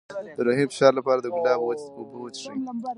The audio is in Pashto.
د روحي فشار لپاره د ګلاب اوبه وڅښئ